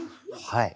はい。